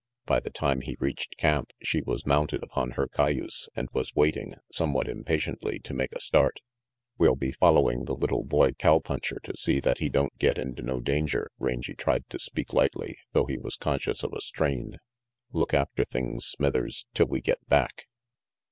By the time he reached camp, she was mounted upon her cayuse and was waiting somewhat impatiently to make a start. RANGY PETE "We'll be following the little boy cow puncher to see that he don't get into no danger," Rangy tried to speak lightly though he was conscious of a strain. "Look after things, Smithers, till we get back."